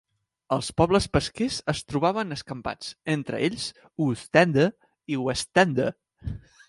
Els pobles pesquers es trobaven escampats, entre ells, Oostende i Westende.